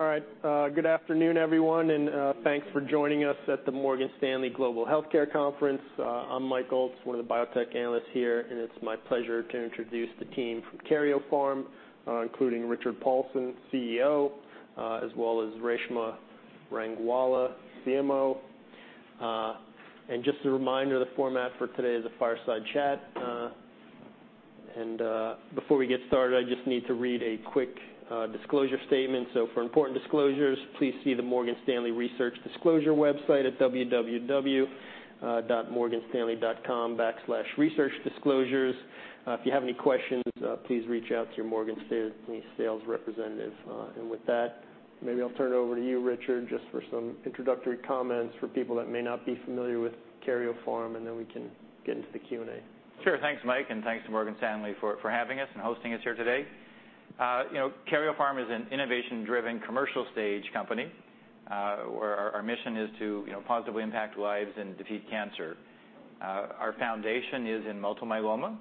All right, good afternoon, everyone, and thanks for joining us at the Morgan Stanley Global Healthcare Conference. I'm Mike Ultz, one of the Biotech Analysts here, and it's my pleasure to introduce the team from Karyopharm, including Richard Paulson; CEO, as well as Reshma Rangwala; CMO. Just a reminder, the format for today is a fireside chat. Before we get started, I just need to read a quick disclosure statement. For important disclosures, please see the Morgan Stanley Research Disclosure website at www.morganstanley.com/researchdisclosures. If you have any questions, please reach out to your Morgan Stanley sales representative. With that, maybe I'll turn it over to you, Richard, just for some introductory comments for people that may not be familiar with Karyopharm, and then we can get into the Q&A. Sure. Thanks, Mike, and thanks to Morgan Stanley for having us and hosting us here today. You know, Karyopharm is an innovation-driven commercial-stage company, where our mission is to, you know, positively impact lives and defeat cancer. Our foundation is in multiple myeloma,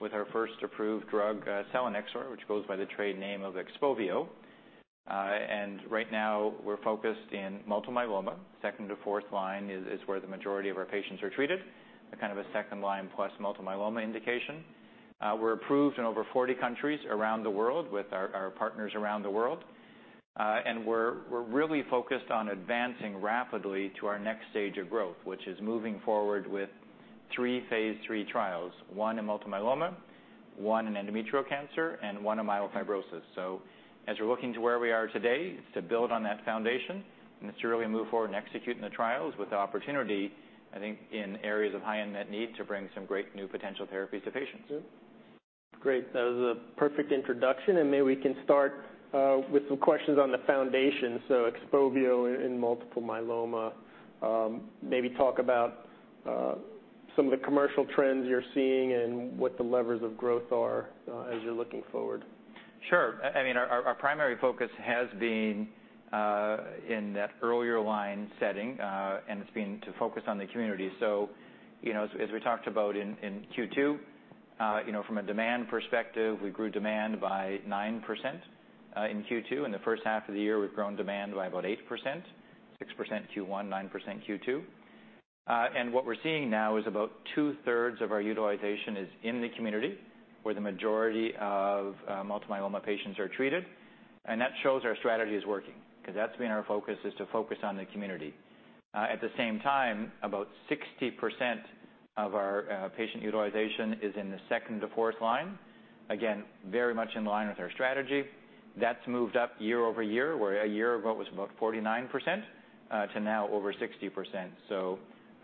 with our first approved drug, pomalidomide, which goes by the trade name of Xtampiza. And right now, we're focused in multiple myeloma. Second- to fourth-line is where the majority of our patients are treated, a kind of a second-line plus multiple myeloma indication. We're approved in over 40 countries around the world with our partners around the world. And we're really focused on advancing rapidly to our next stage of growth, which is moving forward with three phase III trials, one in multiple myeloma, one in endometrial cancer, and one in myelofibrosis. As you're looking to where we are today, it's to build on that foundation, and it's to really move forward and execute in the trials with the opportunity, I think, in areas of high unmet need, to bring some great new potential therapies to patients. Yep. Great. That was a perfect introduction, and maybe we can start with some questions on the foundation, so XPOVIO in multiple myeloma. Maybe talk about some of the commercial trends you're seeing and what the levers of growth are as you're looking forward. Sure. I mean, our primary focus has been in that earlier line setting, and it's been to focus on the community. So, you know, as we talked about in Q2, you know, from a demand perspective, we grew demand by 9% in Q2. In the first half of the year, we've grown demand by about 8%, 6% Q1, 9% Q2. And what we're seeing now is about two-thirds of our utilization is in the community, where the majority of multiple myeloma patients are treated, and that shows our strategy is working, 'cause that's been our focus, is to focus on the community. At the same time, about 60% of our patient utilization is in the second to fourth line. Again, very much in line with our strategy. That's moved up year-over-year, where a year ago it was about 49%, to now over 60%. So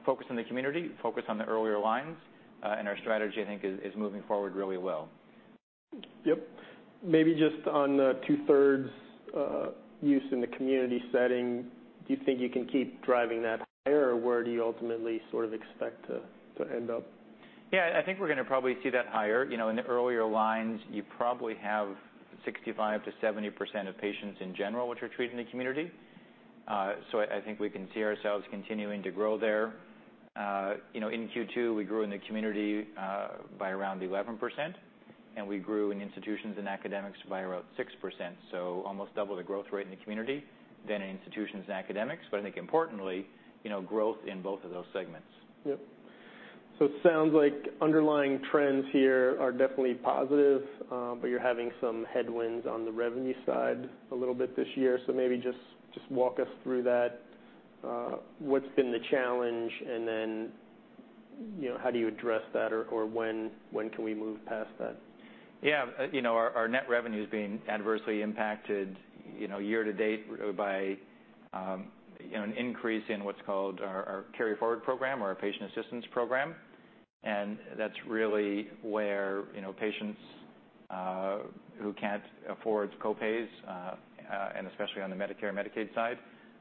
focus on the community, focus on the earlier lines, and our strategy, I think, is moving forward really well. Yep. Maybe just on the two-thirds, use in the community setting, do you think you can keep driving that higher, or where do you ultimately sort of expect to end up? Yeah, I think we're gonna probably see that higher. You know, in the earlier lines, you probably have 65%-70% of patients in general, which are treated in the community. So I think we can see ourselves continuing to grow there. You know, in Q2, we grew in the community by around 11%, and we grew in institutions and academics by around 6%, so almost double the growth rate in the community than in institutions and academics. But I think importantly, you know, growth in both of those segments. So it sounds like underlying trends here are definitely positive, but you're having some headwinds on the revenue side a little bit this year. So maybe just walk us through that. What's been the challenge, and then, you know, how do you address that, or when can we move past that? Yeah. You know, our net revenue is being adversely impacted, you know, year to date by an increase in what's called our carry forward program or our patient assistance program. And that's really where, you know, patients who can't afford co-pays and especially on the Medicare/Medicaid side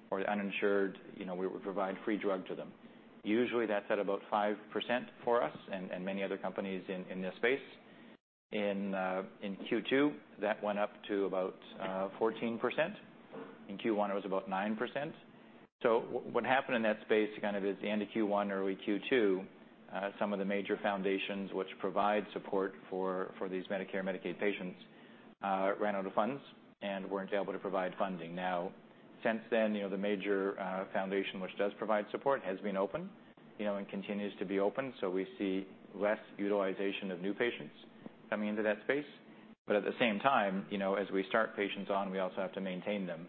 or the uninsured, you know, we would provide free drug to them. Usually, that's at about 5% for us and many other companies in this space. In Q2, that went up to about 14%. In Q1, it was about 9%. So what happened in that space, kind of, is the end of Q1, early Q2, some of the major foundations which provide support for these Medicare/Medicaid patients ran out of funds and weren't able to provide funding. Now, since then, you know, the major foundation, which does provide support, has been open, you know, and continues to be open, so we see less utilization of new patients coming into that space. But at the same time, you know, as we start patients on, we also have to maintain them.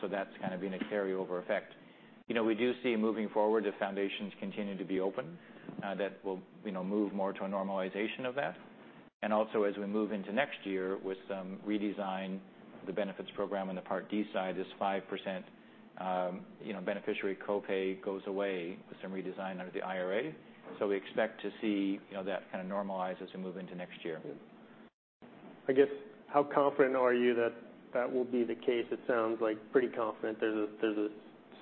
So that's kind of been a carryover effect. You know, we do see moving forward, if foundations continue to be open, that we'll, you know, move more to a normalization of that. And also, as we move into next year with some redesign, the benefits program on the Part D side, this 5%, you know, beneficiary co-pay goes away with some redesign under the IRA. So we expect to see, you know, that kind of normalize as we move into next year. Yep. I guess, how confident are you that that will be the case? It sounds like pretty confident there's a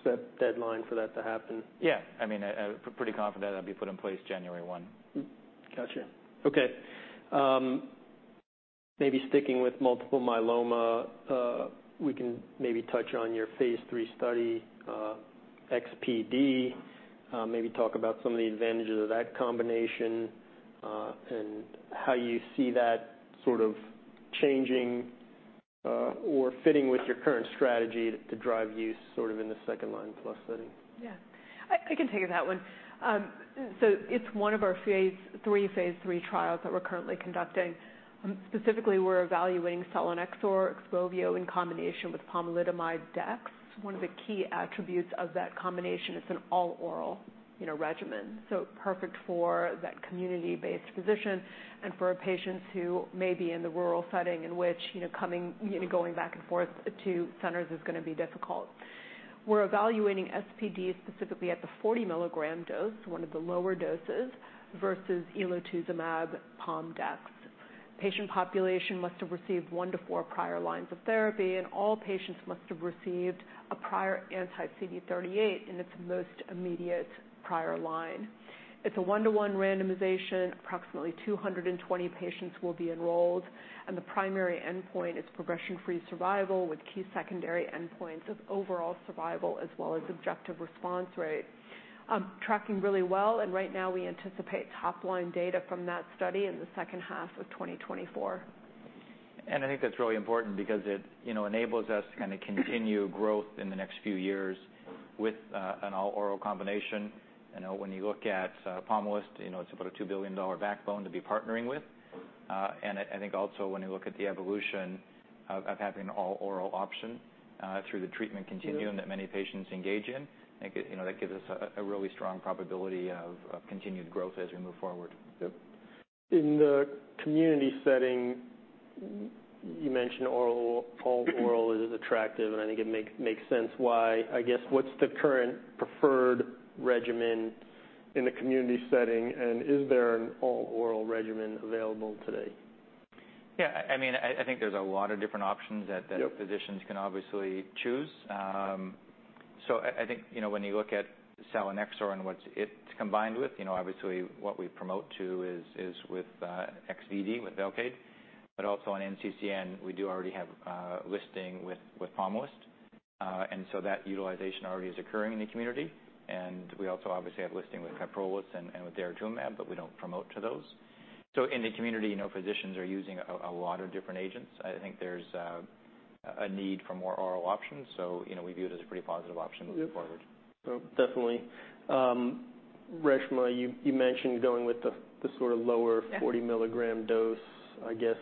set deadline for that to happen. Yeah. I mean, pretty confident that'll be put in place January one. Gotcha. Okay, maybe sticking with multiple myeloma, we can maybe touch on your phase III study, ESPD, maybe talk about some of the advantages of that combination, and how you see that sort of changing, or fitting with your current strategy to drive use sort of in the second-line plus setting. Yeah. I can take that one. So it's one of our phase III trials that we're currently conducting. Specifically, we're evaluating selinexor, XPOVIO, in combination with pomalidomide Dex. One of the key attributes of that combination, it's an all-oral, you know, regimen, so perfect for that community-based physician and for patients who may be in the rural setting, in which, you know, coming, you know, going back and forth to centers is gonna be difficult. We're evaluating ESPD, specifically at the 40 mg dose, one of the lower doses, versus Elotuzumab Pom Dex. Patient population must have received one-four prior lines of therapy, and all patients must have received a prior anti-CD38 in its most immediate prior line. It's a 1:1 randomization. Approximately 220 patients will be enrolled, and the primary endpoint is progression-free survival, with key secondary endpoints of overall survival, as well as objective response rate. Tracking really well, and right now, we anticipate top-line data from that study in the second half of 2024. I think that's really important because it, you know, enables us to kind of continue growth in the next few years with an all-oral combination. You know, when you look at Pomalyst, you know, it's about a $2 billion backbone to be partnering with. And I think also, when you look at the evolution of having an all-oral option through the treatment continuum that many patients engage in, I think it, you know, that gives us a really strong probability of continued growth as we move forward. Yep. In the community setting, you mentioned oral, all oral is attractive, and I think it makes sense why. I guess, what's the current preferred regimen in the community setting, and is there an all-oral regimen available today? I mean, I think there's a lot of different options that physicians can obviously choose. So I think, you know, when you look at selinexor and what it's combined with, you know, obviously, what we promote to is with XVd, with Velcade. But also on NCCN, we do already have listing with Pomalyst, and so that utilization already is occurring in the community. And we also obviously have listing with Kyprolis and with daratumumab, but we don't promote to those. So in the community, you know, physicians are using a lot of different agents. I think there's a need for more oral options, so, you know, we view it as a pretty positive option moving forward. Yep. So definitely. Reshma, you mentioned going with 40 milligram dose. I guess,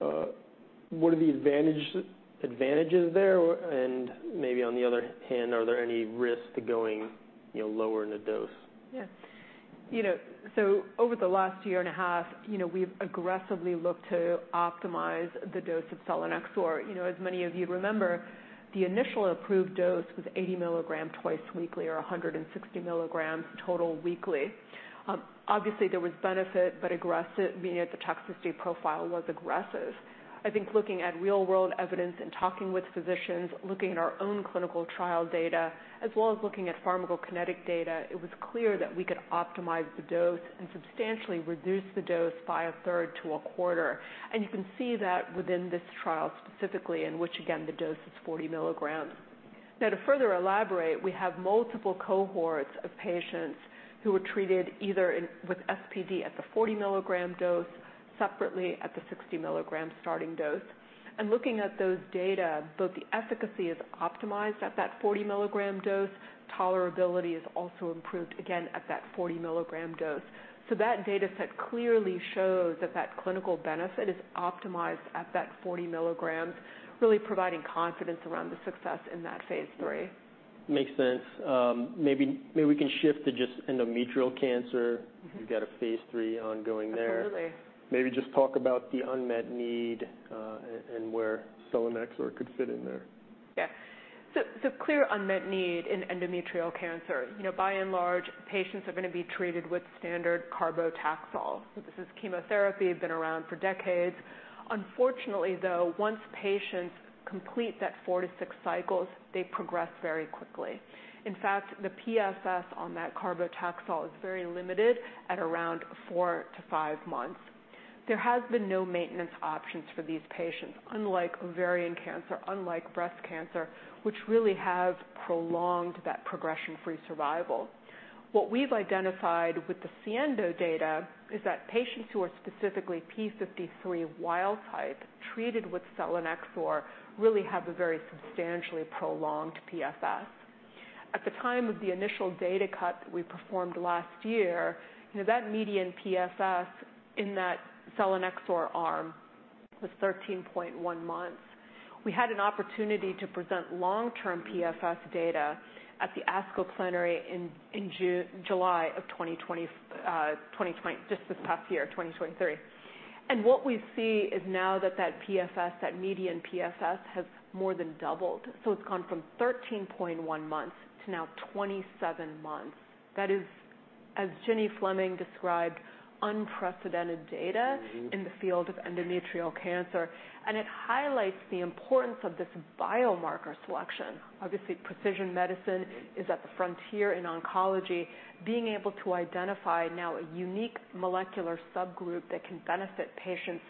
what are the advantage, advantages there? And maybe on the other hand, are there any risks to going, you know, lower in the dose? Yeah. You know, so over the last year and a half, you know, we've aggressively looked to optimize the dose of Selinexor. You know, as many of you remember, the initial approved dose was 80 milligram twice weekly, or 160 milligrams total weekly. Obviously, there was benefit, but aggressive, meaning that the toxicity profile was aggressive. I think looking at real-world evidence and talking with physicians, looking at our own clinical trial data, as well as looking at pharmacokinetic data, it was clear that we could optimize the dose and substantially reduce the dose by a third to a quarter. And you can see that within this trial specifically, in which, again, the dose is 40 milligrams. Now, to further elaborate, we have multiple cohorts of patients who were treated either in... with ESPD at the 40 milligram dose, separately at the 60 milligram starting dose. Looking at those data, both the efficacy is optimized at that 40 mg dose. Tolerability is also improved, again, at that 40 mg dose. That data set clearly shows that that clinical benefit is optimized at that 40 mg, really providing confidence around the success in that phase III. Makes sense. Maybe we can shift to just endometrial cancer. Mm-hmm. You've got a phase III ongoing there. Absolutely. Maybe just talk about the unmet need, and where selinexor could fit in there. Yeah. So, so clear unmet need in endometrial cancer. You know, by and large, patients are gonna be treated with standard carboplatin. So this is chemotherapy, been around for decades. Unfortunately, though, once patients complete that four-six cycles, they progress very quickly. In fact, the PFS on that carboplatin is very limited at around four-five months. There has been no maintenance options for these patients, unlike ovarian cancer, unlike breast cancer, which really have prolonged that progression-free survival. What we've identified with the SIENDO data is that patients who are specifically p53 wild type, treated with selinexor, really have a very substantially prolonged PFS. At the time of the initial data cut that we performed last year, you know, that median PFS in that selinexor arm was 13.1 months. We had an opportunity to present long-term PFS data at the ASCO plenary in July of just this past year, 2023. What we see is now that PFS, that median PFS, has more than doubled, so it's gone from 13.1 months to now 27 months. That is, as Gini Fleming described, unprecedented data in the field of endometrial cancer, and it highlights the importance of this biomarker selection. Obviously, precision medicine is at the frontier in oncology. Being able to identify now a unique molecular subgroup that can benefit patients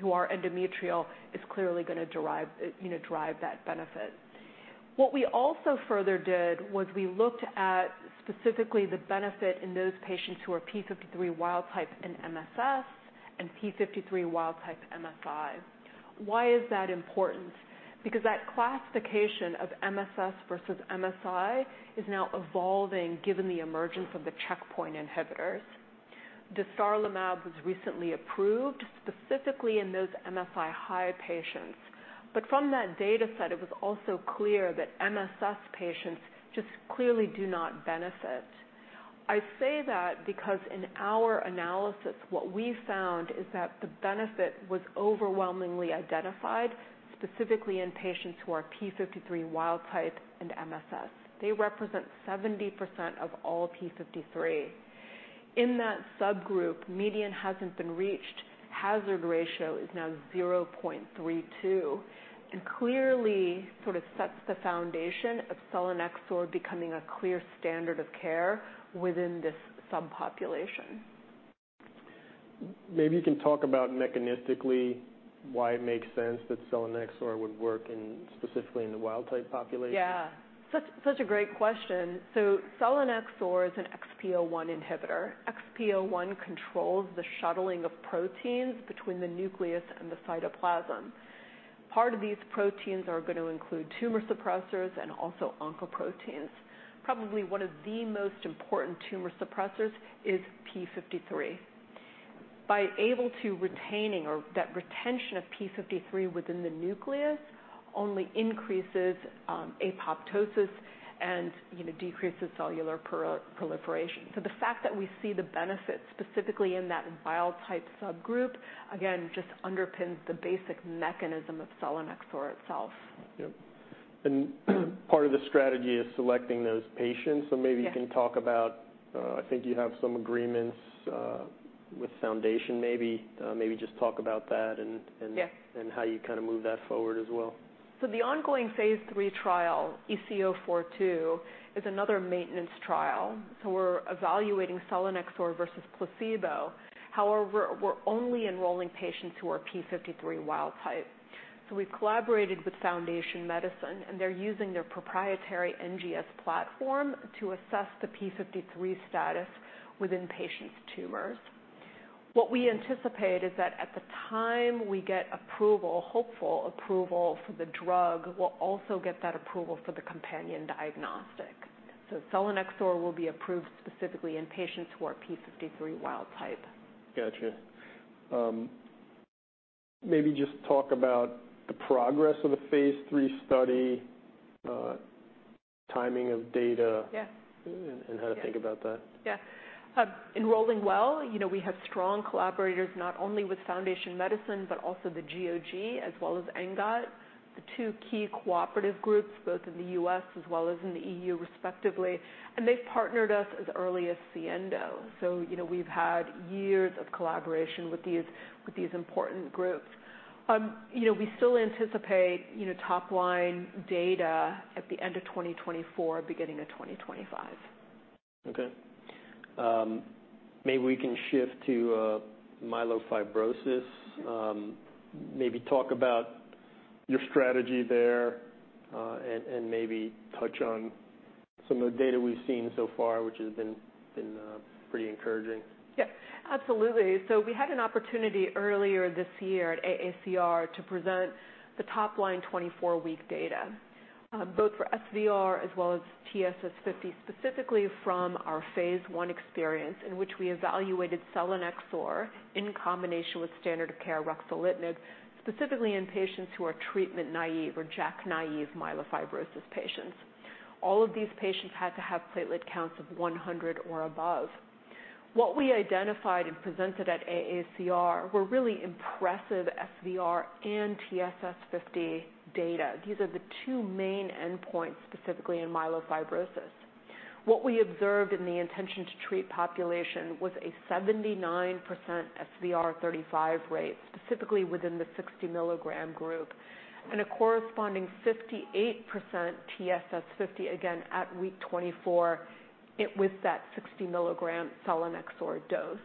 who are endometrial is clearly gonna drive that benefit, you know. What we also further did was we looked at specifically the benefit in those patients who are P53 wild type in MSS and P53 wild type MSI. Why is that important? Because that classification of MSS versus MSI is now evolving, given the emergence of the checkpoint inhibitors. Dostarlimab was recently approved, specifically in those MSI high patients, but from that data set, it was also clear that MSS patients just clearly do not benefit. I say that because in our analysis, what we found is that the benefit was overwhelmingly identified, specifically in patients who are P53 wild type and MSS. They represent 70% of all P53. In that subgroup, median hasn't been reached. Hazard ratio is now 0.32, and clearly sort of sets the foundation of selinexor becoming a clear standard of care within this subpopulation. Maybe you can talk about mechanistically, why it makes sense that selinexor would work in, specifically in the wild type population? Yeah, such a great question. So selinexor is an XPO1 inhibitor. XPO1 controls the shuttling of proteins between the nucleus and the cytoplasm. Part of these proteins are going to include tumor suppressors and also oncoproteins. Probably one of the most important tumor suppressors is P53. By able to retaining or that retention of P53 within the nucleus, only increases, apoptosis and, you know, decreases cellular proliferation. So the fact that we see the benefit, specifically in that wild type subgroup, again, just underpins the basic mechanism of selinexor itself. Yep. Part of the strategy is selecting those patients. Yes. So maybe you can talk about, I think you have some agreements, with Foundation, maybe. Maybe just talk about that and- Yes. How you kind of move that forward as well. So the ongoing phase III trial, EC-042, is another maintenance trial, so we're evaluating selinexor versus placebo. However, we're only enrolling patients who are P53 wild type. So we've collaborated with Foundation Medicine, and they're using their proprietary NGS platform to assess the P53 status within patients' tumors. What we anticipate is that at the time we get approval, hopeful approval for the drug, we'll also get that approval for the companion diagnostic. So selinexor will be approved specifically in patients who are P53 wild type. Got you. Maybe just talk about the progress of the Phase Three study, timing of data- Yes. and how to think about that. Yes. Enrolling well, you know, we have strong collaborators, not only with Foundation Medicine, but also the GOG, as well as ENGOT, the two key cooperative groups, both in the U.S. as well as in the E.U., respectively, and they've partnered us as early as Siendo. So, you know, we've had years of collaboration with these, with these important groups. You know, we still anticipate, you know, top-line data at the end of 2024, beginning of 2025. Okay. Maybe we can shift to myelofibrosis. Maybe talk about your strategy there, and maybe touch on some of the data we've seen so far, which has been pretty encouraging. Yeah, absolutely. So we had an opportunity earlier this year at AACR to present the top line 24-week data, both for SVR as well as TSS 50, specifically from our phase I experience, in which we evaluated selinexor in combination with standard of care, ruxolitinib, specifically in patients who are treatment naive or JAK-naive myelofibrosis patients. All of these patients had to have platelet counts of 100 or above. What we identified and presented at AACR were really impressive SVR and TSS 50 data. These are the two main endpoints, specifically in myelofibrosis. What we observed in the intention to treat population was a 79% SVR 35 rate, specifically within the 60-mg group, and a corresponding 58% TSS 50, again at week 24, it was that 60 mg selinexor dose.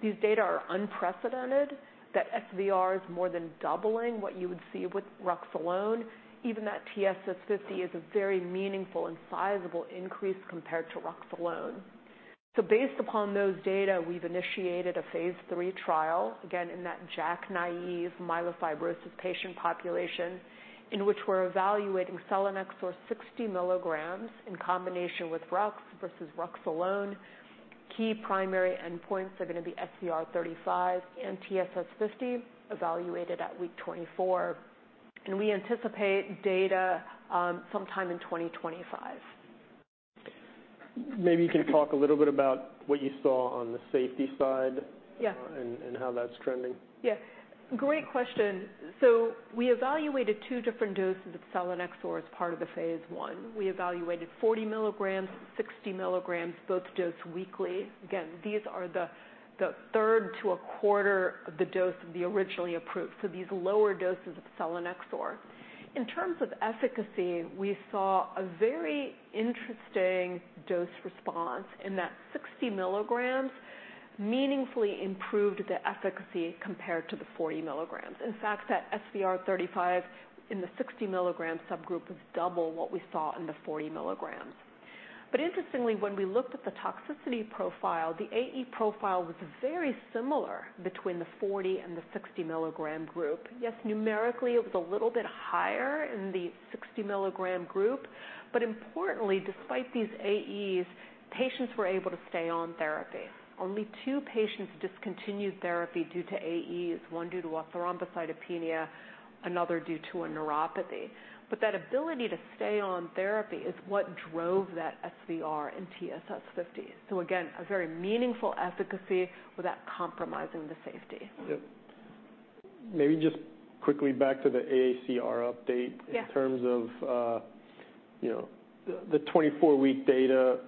These data are unprecedented, that SVR is more than doubling what you would see with Rux alone. Even that TSS 50 is a very meaningful and sizable increase compared to Rux alone. So based upon those data, we've initiated a phase III trial, again, in that JAK-naive myelofibrosis patient population, in which we're evaluating selinexor 60 mg in combination with Rux versus Rux alone. Key primary endpoints are going to be SVR 35 and TSS 50, evaluated at week 24, and we anticipate data sometime in 2025. Maybe you can talk a little bit about what you saw on the safety side? Yeah. and, and how that's trending. Yes, great question. So we evaluated two different doses of selinexor as part of the phase 1. We evaluated 40 milligrams, 60 milligrams, both dosed weekly. Again, these are the third to a quarter of the dose of the originally approved, so these lower doses of selinexor. In terms of efficacy, we saw a very interesting dose response in that 60 milligrams meaningfully improved the efficacy compared to the 40 milligrams. In fact, that SVR35 in the 60 milligram subgroup is double what we saw in the 40 milligrams. But interestingly, when we looked at the toxicity profile, the AE profile was very similar between the 40 and the 60 milligram group. Yes, numerically, it was a little bit higher in the 60 milligram group, but importantly, despite these AEs, patients were able to stay on therapy. Only two patients discontinued therapy due to AEs, one due to a thrombocytopenia, another due to a neuropathy. But that ability to stay on therapy is what drove that SVR and TSS50. So again, a very meaningful efficacy without compromising the safety. Yep. Maybe just quickly back to the AACR update- Yeah. In terms of, you know, the 24-week data,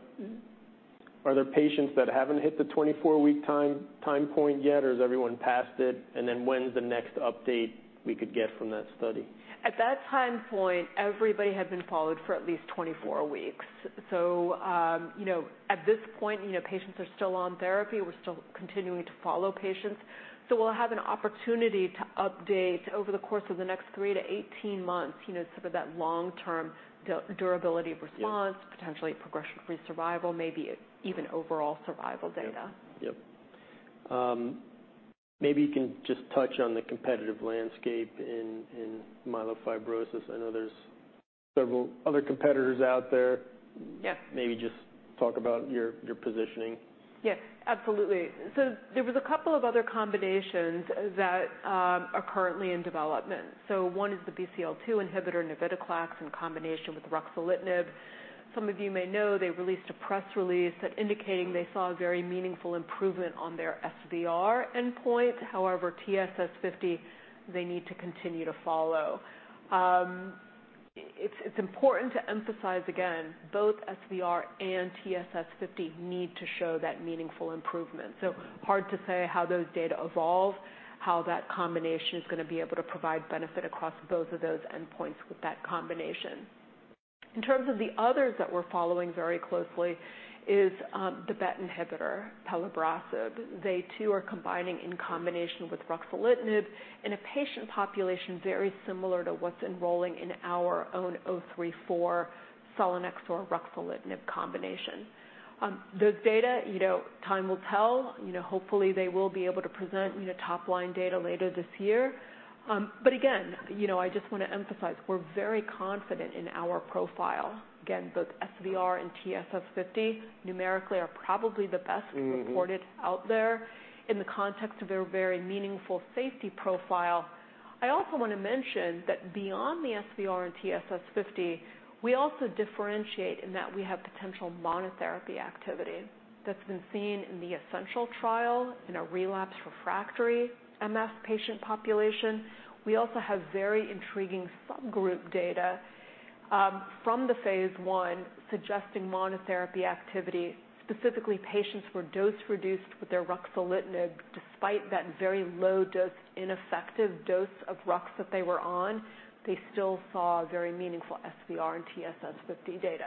are there patients that haven't hit the 24-week time, time point yet, or is everyone past it? And then when is the next update we could get from that study? At that time point, everybody had been followed for at least 24 weeks. So, you know, at this point, you know, patients are still on therapy. We're still continuing to follow patients. So we'll have an opportunity to update over the course of the next 3-18 months, you know, sort of that long-term durability of response- Yeah. potentially progression-free survival, maybe even overall survival data. Yep. Yep. Maybe you can just touch on the competitive landscape in myelofibrosis. I know there's several other competitors out there. Yeah. Maybe just talk about your, your positioning. Yes, absolutely. So there was a couple of other combinations that are currently in development. So one is the BCL-2 inhibitor, navitoclax, in combination with ruxolitinib. Some of you may know, they released a press release that indicating they saw a very meaningful improvement on their SVR endpoint. However, TSS50, they need to continue to follow. It's important to emphasize again, both SVR and TSS50 need to show that meaningful improvement. So hard to say how those data evolve, how that combination is gonna be able to provide benefit across both of those endpoints with that combination. In terms of the others that we're following very closely is the BET inhibitor, pelabresib. They, too, are combining in combination with ruxolitinib in a patient population very similar to what's enrolling in our own 0034 selinexor-ruxolitinib combination. Those data, you know, time will tell. You know, hopefully, they will be able to present, you know, top-line data later this year. But again, you know, I just want to emphasize, we're very confident in our profile. Again, both SVR and TSS50, numerically, are probably the best- Mm-hmm -reported out there in the context of a very meaningful safety profile. I also want to mention that beyond the SVR and TSS50, we also differentiate in that we have potential monotherapy activity that's been seen in the SENTRY trial in a relapsed refractory MF patient population. We also have very intriguing subgroup data from the phase I, suggesting monotherapy activity, specifically, patients were dose-reduced with their ruxolitinib. Despite that very low dose, ineffective dose of Rux that they were on, they still saw very meaningful SVR and TSS50 data.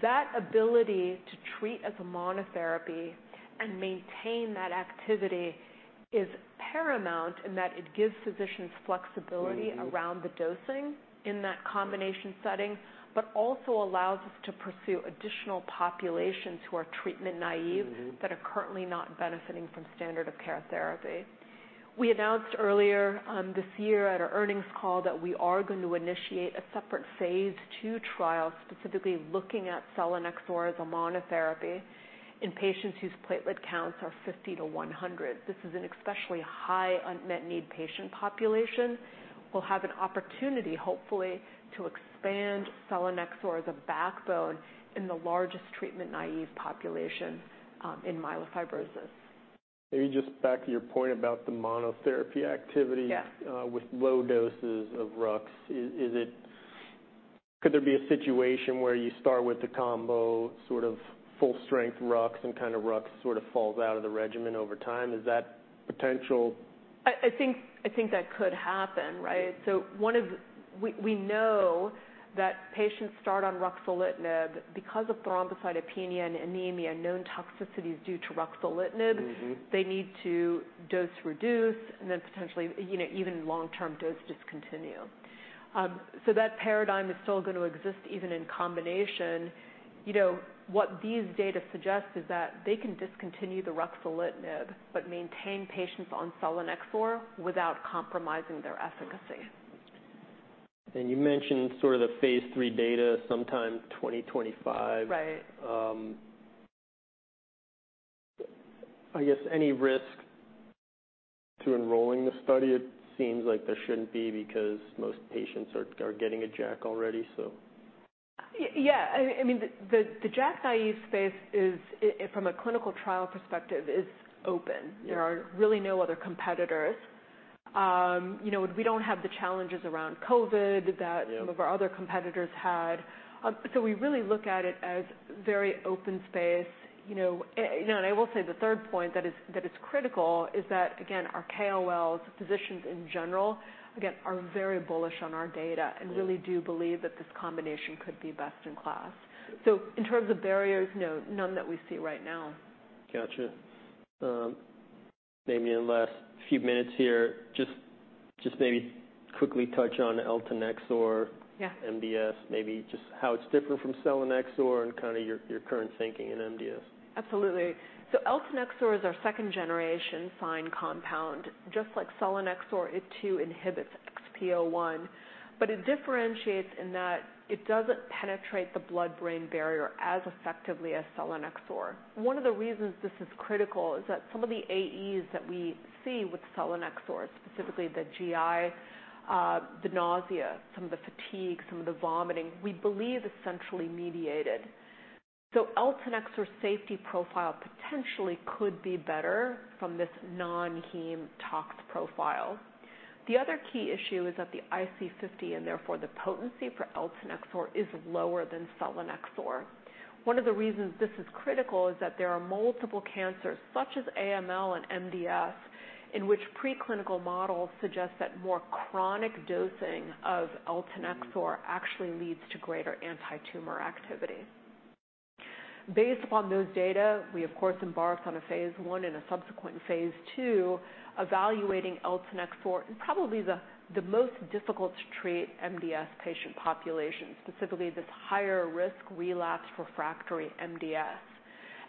That ability to treat as a monotherapy and maintain that activity is paramount in that it gives physicians flexibility- Mm-hmm. around the dosing in that combination setting, but also allows us to pursue additional populations who are treatment naive- Mm-hmm. that are currently not benefiting from standard of care therapy. We announced earlier this year at our earnings call that we are going to initiate a separate phase II trial, specifically looking at selinexor as a monotherapy in patients whose platelet counts are 50-100. This is an especially high unmet need patient population. We'll have an opportunity, hopefully, to expand selinexor as a backbone in the largest treatment-naive population in myelofibrosis. Maybe just back to your point about the monotherapy activity- Yeah. with low doses of Rux. Could there be a situation where you start with the combo, sort of full-strength Rux, and kind of Rux sort of falls out of the regimen over time? Is that potential? I think that could happen, right? Yeah. We know that patients start on ruxolitinib because of thrombocytopenia and anemia, known toxicities due to ruxolitinib. Mm-hmm. They need to dose reduce and then potentially, you know, even long-term dose discontinue. So that paradigm is still going to exist even in combination. You know, what these data suggest is that they can discontinue the ruxolitinib, but maintain patients on selinexor without compromising their efficacy. You mentioned sort of the phase III data, sometime 2025. Right. I guess, any risk to enrolling the study? It seems like there shouldn't be because most patients are getting a JAK already, so. Yeah, I mean, the JAK-naive space is, from a clinical trial perspective, open. Yeah. There are really no other competitors. You know, we don't have the challenges around COVID that- Yeah -some of our other competitors had. So we really look at it as very open space, you know. You know, and I will say the third point that is, that is critical is that, again, our KOLs, physicians in general, again, are very bullish on our data- Right really do believe that this combination could be best in class. Yeah. In terms of barriers, no, none that we see right now. Gotcha. Maybe in the last few minutes here, just, just maybe quickly touch on eltanexor... Yeah. MDS, maybe just how it's different from selinexor and kind of your current thinking in MDS. Absolutely. So eltanexor is our second-generation SINE compound. Just like selinexor, it too inhibits XPO1, but it differentiates in that it doesn't penetrate the blood-brain barrier as effectively as selinexor. One of the reasons this is critical is that some of the AEs that we see with selinexor, specifically the GI, the nausea, some of the fatigue, some of the vomiting, we believe is centrally mediated. So eltanexor safety profile potentially could be better from this non-heme tox profile. The other key issue is that the IC50, and therefore the potency for eltanexor, is lower than selinexor. One of the reasons this is critical is that there are multiple cancers, such as AML and MDS, in which preclinical models suggest that more chronic dosing of eltanexor actually leads to greater antitumor activity. Based upon those data, we of course embarked on a phase 1 and a subsequent phase II, evaluating eltanexor in probably the most difficult-to-treat MDS patient population, specifically this higher risk relapse refractory MDS.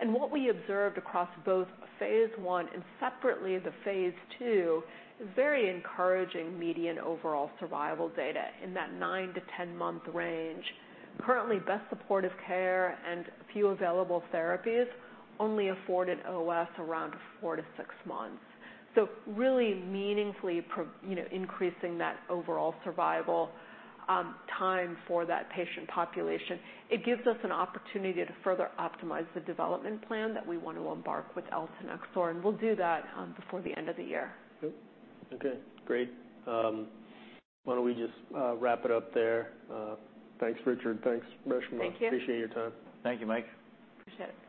What we observed across both phase 1 and separately the phase II is very encouraging median overall survival data in that 9-10-month range. Currently, best supportive care and few available therapies only afford an OS around four-sixmonths. So really meaningfully pro-- you know, increasing that overall survival time for that patient population. It gives us an opportunity to further optimize the development plan that we want to embark with eltanexor, and we'll do that before the end of the year. Good. Okay, great. Why don't we just wrap it up there? Thanks, Richard. Thanks, Reshma. Thank you. Appreciate your time. Thank you, Mike. Appreciate it. Thanks.